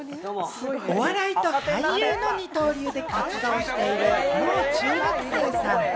お笑いと俳優の二刀流で活躍しているもう中学生さん。